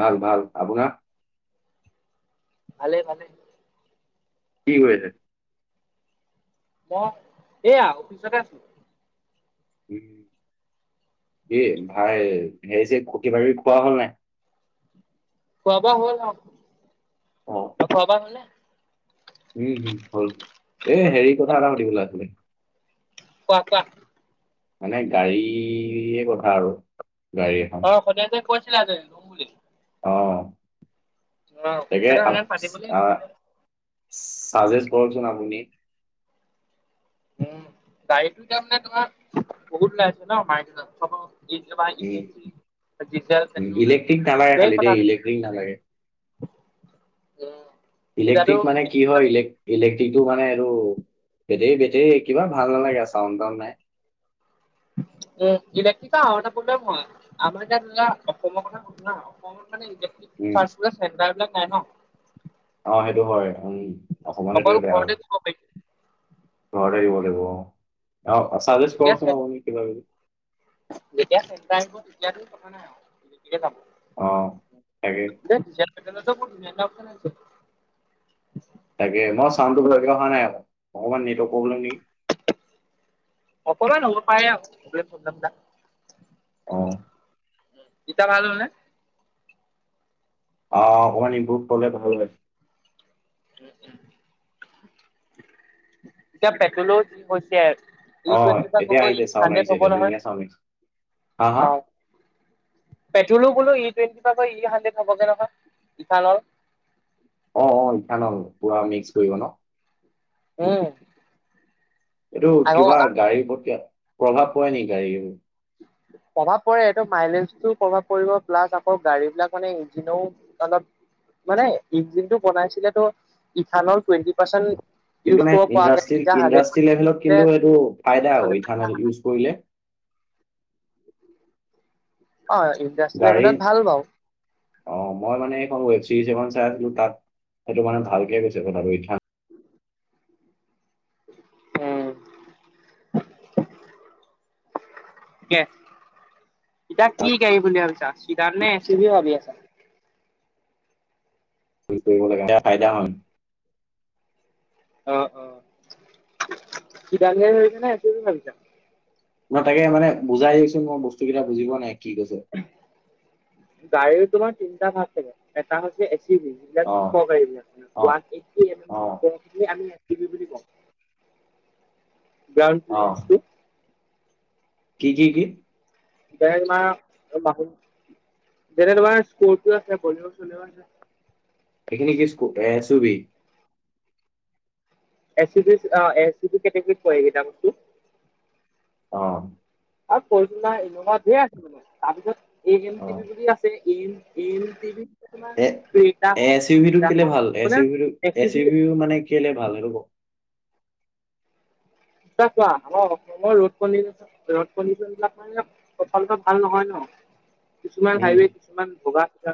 ভাল, ভাল, আপোনাৰ? ভালে ভালে। কি হৈ আছে? মই এইয়া অফিচতে আছো। উম। এ ভাই হেৰিছে খতি বাৰী খোৱা হ'ল নাই? খোৱা বোৱা হ'ল অ' অ তোৰ খোৱা বোৱা হ'ল নে? উম' হম' হল এ হেৰি কথা এটা সুধিবলৈ আছিলে। কোৱা কোৱা। মানে গাড়ীয়ে কথা আৰু গাড়ী এখন। অ সদায় যে কৈছিলা যে ল'ম বুলি। অহ অ তাকে আল সদায় পাতিবলৈ আ অ'। চাজেজ কৰকচোন আপুনি উম গাড়ীটো যামে তোমাৰ বহুত ওলাই আছে ন মাম ইলেক্ট্ৰিক নালাগে খালি দেই [unintelligible] ইলেক্ট্ৰিক নালাগে উম, এতিয়াতো ইলেক্ট্ৰিক মানে কি হয় ইলেক- ইলেক সিটো মানে আৰু বেটেৰী- বেটেৰী কিবা ভাল নালাগে চাউণ্ড তাউণ্ড নাই। উম, ইলেক্ট্ৰিকা আৰু এটা প্ৰব্লেম হয় আমাৰ এতিয়া ধৰা অসমৰ কথা সোধো না অসম মানে ইলেক্ট্ৰিক উম [unintelligible] চেণ্টাৰ বিলাক নাই ন' অ, সেইটো হয় উম, অসমত অকল হেতুই বেয়া হয় ঘৰতে দিব পাৰি ঘৰতে দিব দিব এতিয়া চেন কিবি [inaudible] যেতিয়া চেণ্টাৰ [unintelligible] এতিয়াতো কথা নাই আৰু অ তাকে [unintelligible] [unintelligible] তাকে ম, চাউণ্ডটো ভালকে অহা নাই আকৌ অকমান নেটৱৰ্ক প্ৰব্লেম নেকি? অকলে লব পাৰে আৰু [unintelligible] অ ইতা ভাল হলনে? অহ, অকণমান ইমপ্ৰুভ ক'লে ভাল ওলাইছে। এতিয়া পেট্ৰলৰ কি হৈছে? অ ই টুৱেণ্টি পা এতিয়া কৈ-কৈ আহিছে ই চাউণ্ড হান্দ্ৰেড আহিছে হব এতিয়া নহয় ধুনীয়া চাউণ্ড আহিছে হা হা অ, পেট্ৰলো বোলো ই টুৱেণ্টি পা গৈ ই হানড্ৰেদ হবগে নহয় ইঠানল। অ', অ', ইথানল পুৰা মিক্স কৰিব ন'? উম, এইটো আকৌ কিবা গাড়ীৰ [unintelligible] প্ৰভাৱ পৰে নেকি গাড়ীৰ? প্ৰভাৱ পৰে এইটো মাইলেজটো প্ৰভাৱ পৰিব প্লাছ আকৌ গাড়ী বিলাক মানে ইঞ্জিনও অলপ মানে ইঞ্জিন টো বনাইছিলেতো ইথানল টুৱেণ্টি পাৰ্চেণ্ট কিন্তু মানে ইণ্ডাষ্ট্ৰী ইণ্ডাষ্ট্ৰী লেভেলত হাণ্ড্ৰেড কিন্তু এইটো ফাইদা আ ক ইথানেল ইউজ কৰিলে। অ ইণ্ডাষ্ট্ৰী গাড়ীৰ লেভেলত ভাল বাওঁ। অ মই মানে এইখন ৱেব চিৰিজ এখন চাই আছিলো তাত সেইটো মানে ভালকে কৈছে কথাবো ইথা উম। কে ইতাক কি গাড়ী বুলি ভাবিছা চিতাৰ নে ছিবিও ভাবি আছা। হি কৰিব লাগে [unintelligible] ফাইদা হন অ অ কিডাৰ ভাবিছানে এচিবি ভাবিছা। মই তাকে মানে বুজাই দিয়কচোন মই বস্তুবিলাক বুজি পোৱা নাই কি কৈছে? গাড়ী তোমাৰ তিনটা ভাগ থাকে। এটা হৈছে এ চিবি যিবিলাক অ ওখ গাড়ীবিলাক অ ওৱান এইটি অ [unintelligible] গ্ৰাউণ্ড অ প্লেনছটো কি কি কি? বেৰমা এ মাকুম জেনে তোমাৰ কটো আছে বলেওছ ল এইখিন কিছ এছুবি। এ চি এ চি কেটেগৰীত পগেইটাামটো। অ'। আৰু ক ইনভা ধেৰ আছিল ম তাৰপিছত এ এম অ টিভি বুলি আছে। এন এনন্তি এ এচ ইউ ভি টো কেলে ভাল হওক এচ মানে ইউ ভ টো এচ এচিবি ই ভি মানে কেলে? ভাল চা চোৱা আমাৰ অসমৰ ৰদ কিশন ৰদ কডিশ্যন বিলাক মানে সচলত ভাল নহয় ন। কিছুমান উম হাইৱে কিছুমান বগা থকা,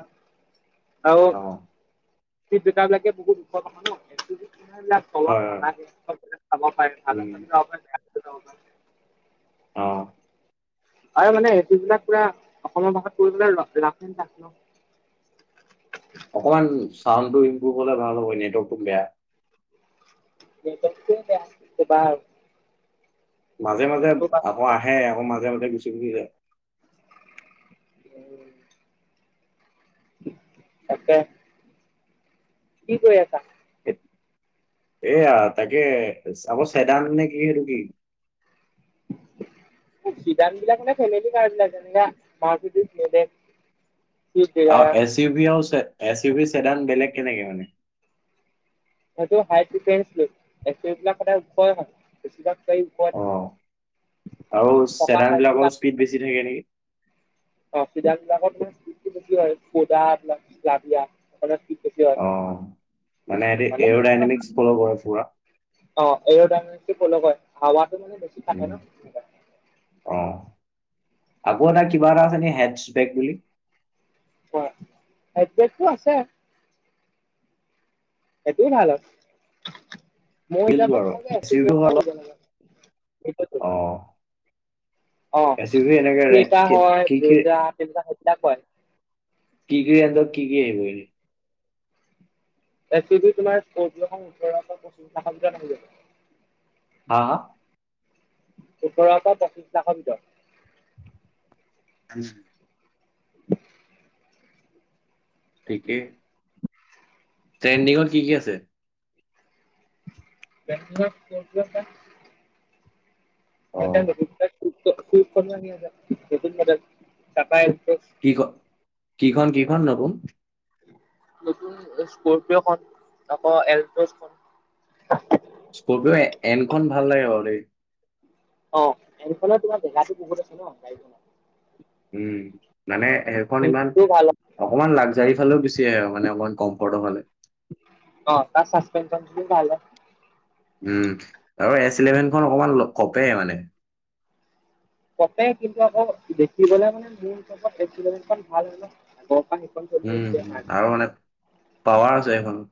আৰু অ জট বিলাকে বহুত ওখৰতথা নলাক, তলত হয় হয় নালাগোক খাব পাৰে ভাল আ উম অ [inaudible] আৰু মানে, যিবিলাক পুৰা অসমৰ ভাষাত কৰিবলৈ ৰ-ৰাফ এণ্ড টাফ ন? [inaudible] অকমান চাউণ্ড টো ইম্প্ৰুভ হলে ভাল হ'ব। নেটৱৰ্কটো বেয়া। নেটৱৰ্কটোৱে বেয়া তোমাৰ। মাজে মাজে আকৌ আহে, আকৌ মাজে মাজে গুচি গুচি যায়। তাকে। কি কৰি আছা? এ- এয়া, তাকে চাব চেদান নে কি? সেইটো কি? অ', চিদান বিলাক মানে ফেমেলি কাৰ বিলাক যেনেকে, মাৰ্চিদিছ দনেট আৰু এছ উ ভী আৰু চে এছ ই ভি চেডান বেলেগক কেনেকে মানে? সেইটো হাই প্ৰিফেঞ্চ লোক। এছ ই ভি সদায় ওখই হয়। বেছিভাগ ওখই অ আৰু থাকিব। চকা চেডান চাইজটো বিলাকৰ স্পীড তাত বেছি থাকে নেকি? অ চিদান বিলাকত মানে চিটটো বেছি হয়। [inaudible] অ', মানে এহেটি এৰ' ডাইনামিকস ফল' কৰে পুৰা। অ' এৰ' ডাইনামিকস টো ফল' কৰে। হাৱাত হেতু মানে বেছি কাটে উম। ন? সেনেকুৱা অ আকৌ এটা কিবা এটা আছে নে হেডছবেগ বুলি? অ' হেডছটো আছে। সেইটোও ভাল হয়। মোৰ টো হিচাপত আৰু তোমালোকে এছ এফ টো ইউ জি ভি এখনহে অলপ লব লাগে। ঠিকেইটো। অ অ', এছ ইউ ভি এনেকে ৰে- ক্ৰেতা কি হয়, কি বেজা তেনেকুৱা সেইবিলাক হয়। কিগি এন্তক, কিগি আহিব এচ চি দি তোমাৰ ফৰ জি এখন ওঠৰ শ পঁচিশ মানৰ ভিতৰত আহি যাব। হা হা। সোতৰৰ পৰা পঁচিশ লাখৰ ভিতৰত। ওম। ঠিকেই। ট্ৰেণ্ডিঙত কি কি আছে? ট্ৰেন্দিঙত [unintelligible] আছে। অ এতিয়া নতুন [unintelligible] খন আহি আছে। নতুন মডেল। চতাইল কি খন? কি খন কি খন নতুন? নতুন স্কপিঅ খন আকৌ এলটছখন। স্কৰ্পিঅ' এন খন ভাল লাগে বাৰু দেই। অ এনখনৰ তোমাৰ জেগাতো বহুত আছে ন। গাড়ীখনৰ উম, মানে এণখন ইমান ইঞ্জিনটোও ভাল হয়, অকমান লাগজাৰী ফালেও বেছি। সেয়াই আৰু মানে অকণমান কম্ফৰ্তৰ ফালে। অ', তাৰ চাসপেন্শন খিনি ভালে। উম। আৰু এচ ইলেভেনখন অকমান কপে মানে। কপে। কিন্তু আকৌ পৰা সেইখন চলি আহিছে উম, আৰু মানে পাৱাৰ আছে এইখন।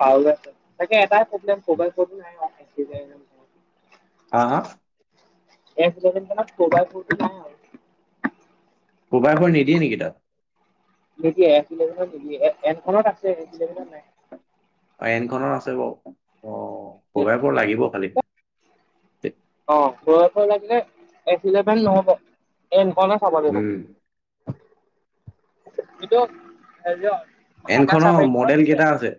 পাৱাৰ আছে। তাকে এটাই প্ৰব্লেম, মোবাইল [inaudible] হা হা? এছ ইলেভেনখনত মোবাইল ফোনটো নাই আৰু। মোবাইল ফোনটো নিদিয়ে নেকি তাত? নিদিয়ে এফ ইলেভেনত নিদিয়ে। এনখনত আছে এফ ইলেভেনত নাই। অ'এনখনত আছে বাৰু। অ', [unintelligible] লাগিব কালি। বয়সৰ লাগিলে এছ ইলেভেন নহ'ব এনখন হে চাব লাগিব। উম কিটো এফ জেদ ওৱান। এনখনৰ মডেল কেইটা আছে?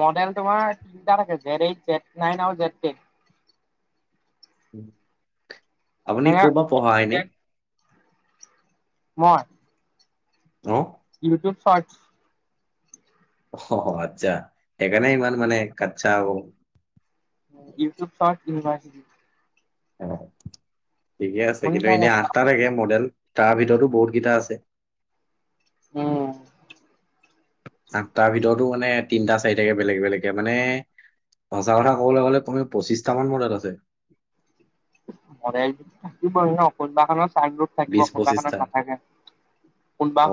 মডেল তোমাৰ তিনিটা জেড এইট জেড নাইন আৰু জেড টেন। আপুনি মানে ক'ৰবাত পঢ়া হয় নি? মই? অ'। YouTube search. অ' আচ্ছা সেইকাৰনে ইমান মানে কচ্ছা আকৌ। ইউটিউব চাও ইউনিভাৰচিটি ত। ঠিকে আছে কিন্তু শুনিছা এনে চাগে ন? আঠটা থাকে মডেল। তাৰ ভিতৰতো বহুতকেইটা আছে। উম। আঠটাৰ ভিতৰতো মানে তিনটা চাৰিটাকে বেলেগ বেলেগে মানে সঁচা কথা ক'বলৈ গ'লে কমে পঁচিছটামান মডেল আছে। মডেল থাকিবই ন কোনোবাখনত চাট গ্ৰুপ থাকিব বিশ কোনোবাখনত পঁচিশটা নাথাকে।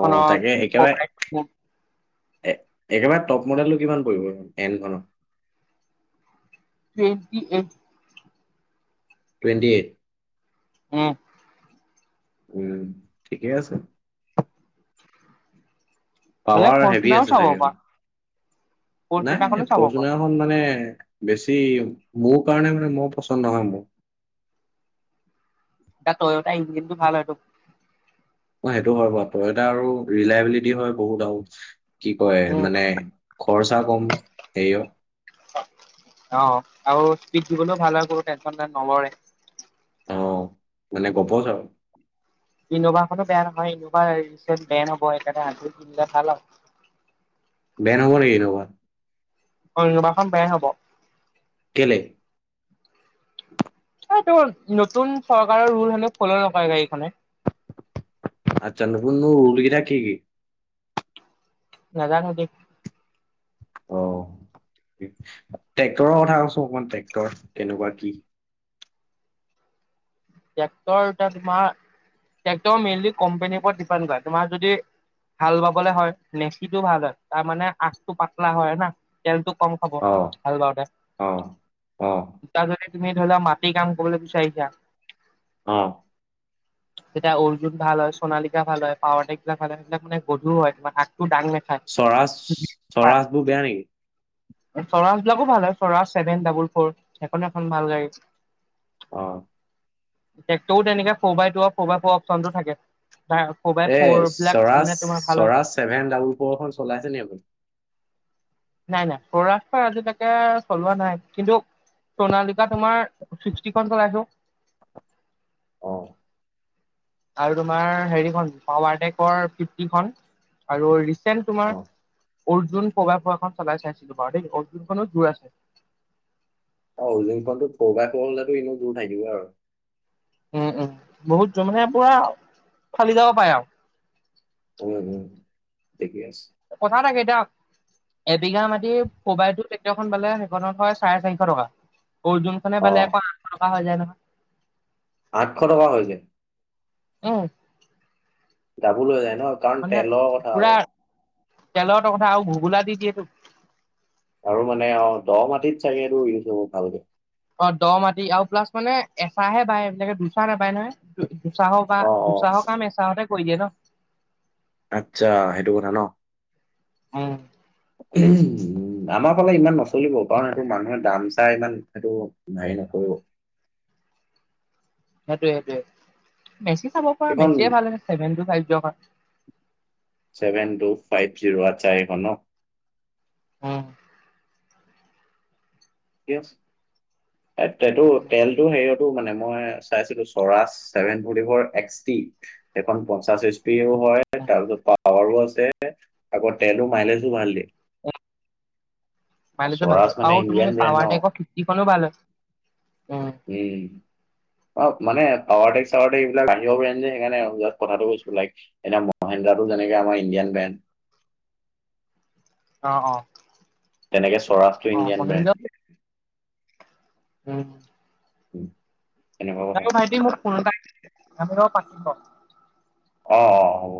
অ' তাকে একেবাৰে, টুৱেন্টি এ একেবাৰে টপ মডেলটো কিমান পৰিব এনখনত? Twenty eight twenty eight? উম। উম ঠিকেই আছে। হ'লে পাৱাৰ হেভি ফৰ্চুনাৰো আছে চাব চাগে, পাৰা নাই ফৰ্চুনাৰখনো চাব পাৰা। ফৰচুনাৰখন মানে বেছি মোৰ কাৰণে মানে মোৰ পচন্দ নহয় মোৰ। তট ই কিন্তু ভাল এটো [unintelligible] অ' সেইটো হয় বাৰু তই এটা আৰু ৰিলাইবিলিটি হয় বহুত আৰু কি কয় উম, মানে খৰচা কম সেইয়‌ অ' আৰু স্পীড দিবলৈও ভাল হয় কোনো টেনচন নলৰে। অ' মানে গবচ আৰু। ইন'ভাখনো বেয়া নহয় ইন'ভা ৰিচেণ্ট বেণ্ড হব সেইকাৰণে আজিয়ে কিনিলে ভাল। [inaudible] বেণ্ড হব নেকি ইন'ভাৰ? অ' ইন'ভাখন বেণ্ড হ'ব। কেলে? হয়টো নতুন চৰকাৰৰ ৰুল হেনো ফল' নকৰে গাড়ীখনে। [inaudible] আচ্ছা নতুন নতুন ৰুল কেতা কি কি? নাজানো দে। অ'। ট্ৰেক্টৰৰ কথা কৈছো অকমান ট্ৰেক্টৰ কেনেকুৱা কি? ট্ৰেক্টৰ তোমাৰ, ট্ৰেক্টৰ মেইনলি কোম্পনীৰ ওপৰত ডিপেণ্ড কৰা তোমাৰ যদি হাল বাবলৈ হয় নেচিটো ভাল হয় তাৰমানে আগটো পাতলা হয় না তেলটো। কম খাব অ', হাল বাৱতে অ', অ'। তাৰ তুমি ধৰি লোৱা মাটি কাম কৰিবলৈ বিচাৰিছা। অ তেতিয়া অৰ্জুন ভাল হয় সোণালিকা ভাল হয় পাৱাৰটেগ বিলাক ভাল হয় সেইবিলাক মানে গধুৰ হয় তোমাৰ আ স্বৰাজ স্বৰাজবোৰ বেয়া নেকি? স্বৰাজ বিলাকো ভাল হয় স্বৰাজ ছেভেন ডাবুল ফ'ৰ সেইখন এখন ভাল গাড়ী অ টেক্টৰো তেনেকে four by two four by four option টো থাকে। ফ'ৰ বাই এ ফ'ৰ বিলাক মানে তোমাৰ ভাল হয় স্বৰাজ-স্বৰাজ ছেভেন ডাবুল ফৰখন চলাইছে নি আপুনি? নাই-নাই স্বৰাজৰ আজি লৈকে চলোৱা নাই কিন্তু। সণালিকা তোমাৰ ছিক্সটিখন চলাইছো। অহ আৰু তোমাৰ হেৰিখন পাৱাৰটেকৰ ফিফটি খ আৰু। যেন অ তোমাৰ অৰ্জুন প্ৰবখন চলাই চাইছিলো বাৰু দেই অৰ্জুনখনো জোৰ আছে। অ হজিং ফো ফাই ফ হলে এনে জোৰ থাকিব আৰু উম-উম বহুত মানে পুৰা ফালি যাব পাৰে আৰু। উম-উম কথা থ গে এবিঘা মাটি সবাইটো ট্ৰেক্টৰ বালে সেইখনত হয় চাৰে চাৰিশ টকা। অৰ্জুন খনে বালে অ', একৌ আঠশ টকা হৈ যায় ন। আঠশ টকা হৈছে। অহ গাবুল হৈ যায় ন কাৰণ তেলৰ কথা পুৰা আৰু। তেলৰ কথা আৰু ঘগোলা দি দিয়েতটো আৰু মানে অ দ মাটিত চাগেটো ইউজ হব ভালক অ দ মাটি আৰু প্লাছ মানে এচাহে বায় এনেকে দুচাহ নাপায় নহয়। দুচাহৰ বা অ', অ', দুচাহৰ কাম এচাহতে কৰি দিয়ে ন। আচ্ছা, সেইটো কথা ন। উম, উ আমাৰ ফালে ইমান নচলিব পাৰ সেইটো মানুহে দাম চাই ইমান সেইটো হেৰি এক [inaudible] সেইটোৱে-সেইটোৱে মেচি চাব প এইখন মেচিয় ভাল আভেন ফ কাৰ ছেভেন টু ফাইভ জিৰ' আছো এখনো। উম আছে এই এইটো তেলটো হেৰিয়তো মানে মই চাই দিলোঁ চৰাচ চেভেন পৰিব এক্টি সেইখন পঞ্চাছ। পেও হয় তাৰপ পাৱাৰোঁ আছে। আকৌ তেলো মাইলেজো ভাল দিয়ে। সৰাজ মানে ইডিয়ান ব্ৰেন। ততে আকৌ খিতিখনো ভাল হয় উ উম। অ মানোৱাৰটক্ চাৱাৰ টে্ক বিিলাক আহিব পি যে সেইকাৰণে য কথাটো কৈছো লাইক এতিনে মহেন্দ্ৰান তেনেকে আাৰ ইণ্ডিয়ান বেণ্ড। অ-অ তেনেকে সৰাজটো ইণ্ডিয়ান ব্ৰেণ্ড। উম। উম, ভাইটি মোক ফোন এটা আমি ৰ পাতিম ৰ। অ', অ', হ'ব।